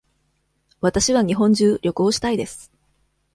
わたしは日本中旅行したいです。